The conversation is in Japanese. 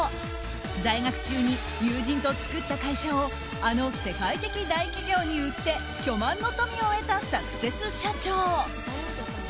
在学中に友人と作った会社をあの世界的大企業に売って巨万の富を得たサクセス社長。